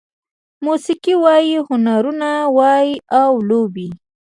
موسيقي وای، هنرونه وای او لوبې